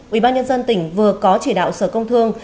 ủy ban nhân dân tỉnh vừa có chỉ đạo sở công thương